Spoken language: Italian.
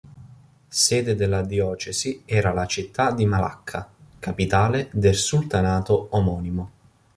Sede della diocesi era la città di Malacca, capitale del sultanato omonimo.